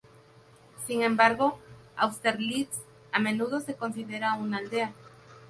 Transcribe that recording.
Sin embargo, Austerlitz a menudo se considera una aldea.